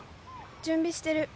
準備してる。